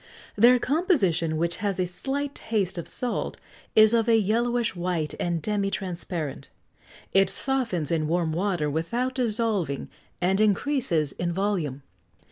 Their composition, which has a slight taste of salt, is of a yellowish white and demi transparent; it softens in warm water without dissolving, and increases in volume.